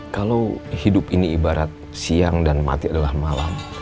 kalau hidup ini ibarat siang dan mati adalah malam